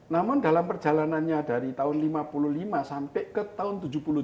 namun dalam perjalanannya dari tahun lima puluh lima sampai ke tahun tujuh puluh tiga